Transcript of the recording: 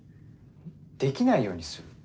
できないようにする？